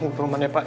pengumuman ya pak